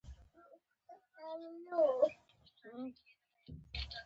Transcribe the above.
او په دې لټه کې دي